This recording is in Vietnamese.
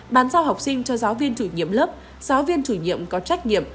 bàn giao học sinh cho giáo viên chủ nhiệm lớp giáo viên chủ nhiệm có trách nhiệm